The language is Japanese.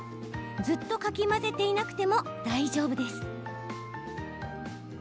ずっとかき混ぜていなくても大丈夫です。